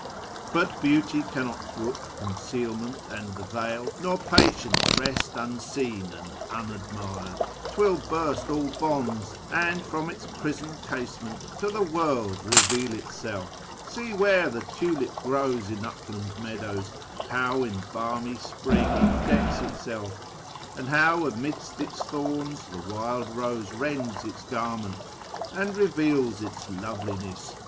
But Beauty cannot brook Concealment and the veil, nor patient rest Unseen and unadmired : 'twill burst all bonds, And from Its prison casement to the world Keveal Itself. See where the tulip grows In upland meadows, how in balmy spring It decks itself ; and how amidst its thorns The wild rose rends its garment, and reveals Its loveliness.